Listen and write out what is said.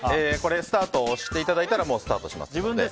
スタートを押していただいたらもうスタートしますので。